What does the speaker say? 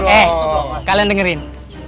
eh kalian dengerin